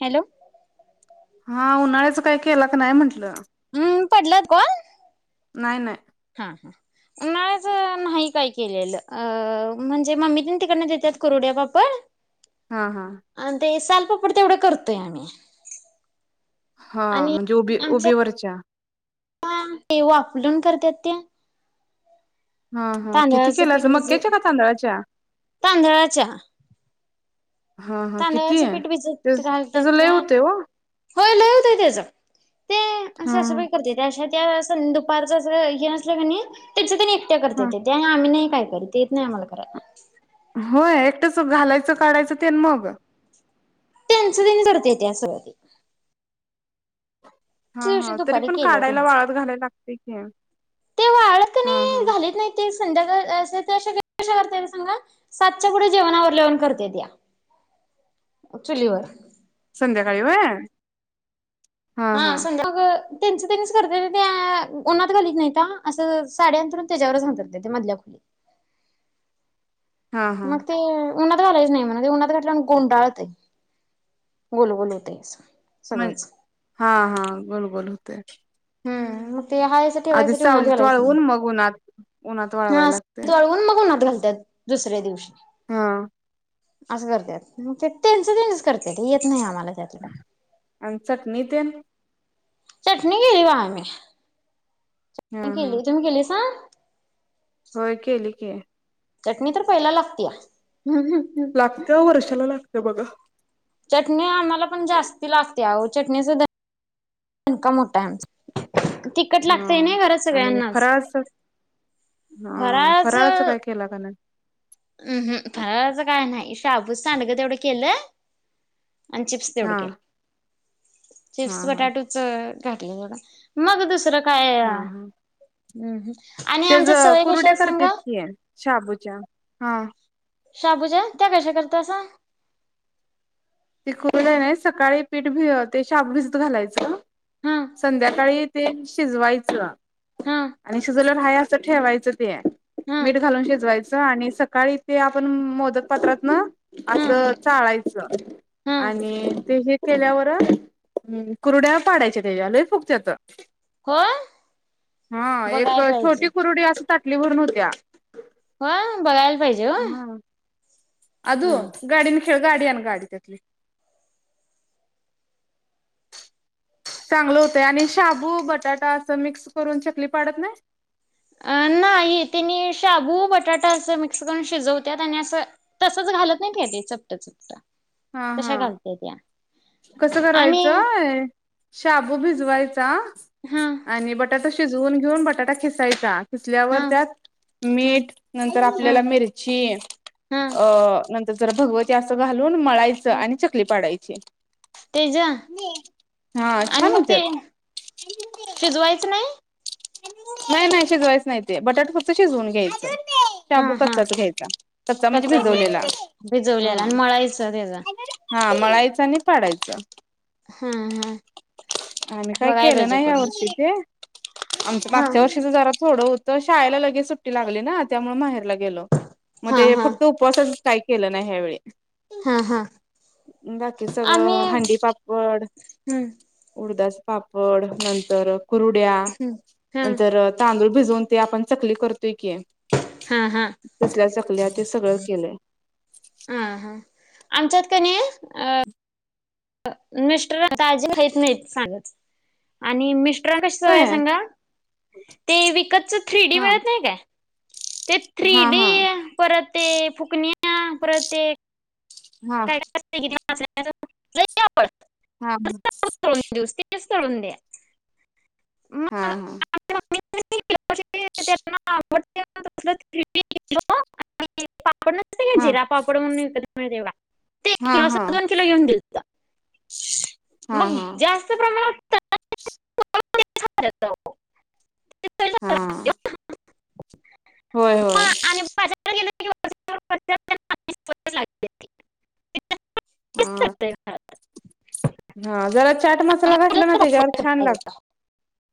Hello. हा उन्हाळ्याच कायी केला का नाही म्हटलं? हम्म पडल्यात कॉल? नाय, नाय. हा, हा आज न्हाई काय केलेल. अ म्हणजे मम्मी तेन तिकडन देत्यात कुरुडया, पापड. हा, हा. पड तेवढ करतोय आम्ही. हा म्हणजे उबी उबीवरच्या. आ ते वाफलुन करत्यात ते. हा, हा किती तांदळाचं पीठ केलासा? मक्याच्या भिजत का तांदळाच्या? तांदळाच्या हा हा किती तांदळाचे आहे पीठ ते भिजत त्याच लय घालतात्या. होते हो होय लय होतय तेज. ते हा सासूबाई करत्याता अशा त्या आन दुपारच असं हे नसलं की नई म्हणजे त्यंच तेनी ते हा करत्याता त्यामुळ आम्ही नाही काय खरं ते येत नायी आम्हाला करायला. होय एकटच घालायच, काढायच तेन मग? त्यंच तेनी करत्याता सगळं ते. हा दिशी हा तरी दुपारी पण केल्या काढायला त्यानच वाळत घालायला लागते की ते वाळत हा कनई हा घालीत नायी तेच संध्याकाळ [unintelligible] करत्यात सांगा सातच्या पुढे जेवण आवरल्यावर करत्यात्या चुलीवर. संध्याकाळी व्हय? हा संध्या मग त्यांच त्यांनीच करत्यात त्या उनात घालीत नाहीता, असं साडी अंथरून त्याच्यावरच अंथरत्याता मधल्या खोलीत. हा हा मग ते उन्हनात घालायच नाही म्हण उन्हात घातल्या गोंडाळतय. गोल गोल होतय असं. सगळंच [unintelligible] [inaudible] हूँ आधी सावलीत वाळवून मग उन्हात उन्हात हा वाळवायला [unintelligible] लागते चाळवून मग उन्हात [unintelligible] [unintelligible] दुसऱ्या दिवशी हा अस करत्यात मग ते त्यांच त्यानीच करतेत येत नाही आम्हा आण चटणी ते चटणी केली वा मी हा आम्ही हा केली तुम्ही केलीसां? होय केली. [unintelligible] चटणी तर पहीला लागतीया लागत वर्षाला लागतं बघा चटणी आण म पण जास्ती लागते आहो चटणीसुद्धा [unintelligible] मोठ्ठ आहे आमचं तिखट लागतय हा नय घरात आणि सगळ्यांनाच फराळाचं हा फराळचं फराळाचं काय केला का नाय - अहं फराळाचं काय नाही शाबूस सांडग तेवढं केलं आणि चिप्स तेवड हा केल. हा चिप्स हा बट्याटोच टाकले बघा मग दुसर हा हा आणि आमच्या त्याच सवय कशा कुरड्या आहेत करतात सांगा कीया शाबूच्या हा शाबूच्या त्या कशा करतासा कुरडयांला सकाळी पीठ भि ते शाबू भिजत घालायचं हा संध्याकाळी ते शिजवायचं हा आणि शिजवल्यावर हाय अस ठेवायचं हा मीठ घालून शिजवायचं आणि सक काळी ते आपण मोदक पात्रात ना हा असं चाळायचं. हा आणि ते जे का केल्यावर कुरड्या पाडायच्या त्याच्या लई फुगत्यात होय. हा एक बघायला छोटी कुरडी अस ताटलीभरून होत्या. ह बघायला पाहिजे ह. अजुन गाडी खेळगाडी आणी गाडी त्यातली. चांगलं होतय आणि शाबू, बटाटा, असं मिक्स करून चकली पाडत नाही. अ नाही ते मी शाबू बटाटा अस मिक्स करून शिजवत्यात आणि असं तसच घालत नाही ते चपट, चपट. हा हा. तशा घालत्याय त्या. कसं आणि करायचंय शाबू भिजवाय. आ हा आणि बटाटा शि शिजवून घेऊन बटाटा किसायचा. किसल्यावर हा त्यात हा मीठ नंतर हा आपल्याला मिरची हा अ नंत- जरा भगवती असं घाल वून मळायचं आणि चकली पाडायची. छे! तेजा आणि छान मग ते होत्यात. शिजवायचं नाही. नाही, नाही शिजवायच नाही ते बटाटा फक्त शिजवून घ्यायचं. शाबू हा हा कच्चा च घ्यायचा कच्चा म्हणजे कच्चाच घ्या भिजवलेला भिजवलेला हा. आणि मळायचं त्याचा हा मळायचं आणि पाडायचं. हा हा आम्ही काय बघायला केलं पाहिजे नाही करून यावर्षी ते. आमचं हा मागच्या वर्षीचं जरा थोडं होतं शाळेला लगेच सुट्टी लागली ना त्यामुळ माहेरला. केल म हा ते हा फक्त उपवासा. काही केलं नाही ह्या वेळी. हा हा बाकी आम्ही सगळं हंडीपापड हम्म उडदाच. [inaudible] पापड नंतर कुरडया. हा नंतर तांदूळ. भिजवून ते आपण चकली करतोय की. हा हा तसल्या चकल्या ते सगळं केलंय हा हा अ मिस्टर [unintelligible] सांगायच आणि मिस्टर [unintelligible] होय सांगा ते विकतच थ्री डी हा मिळत नाही काय ते हा थ्रीडी हा परत ते फुकण्या फुकण्या परत ते हा काय असते की [unintelligible] हा ते सोडून द्या हा हा [unintelligible] आपड नव्हतो का हा जिरा पापड म्हणून विकत हो देवा ते एक हा किलो अस दोन किलो येऊन दिलत हा हा मग हा जास्त [inaudible] हा - होय होय [inaudible] [inaudible] [inaudible] हा जरा चाट आणि मसाला घातला ना आपल्याला त्याच्यावर मोकळं छान करता येईल. लाग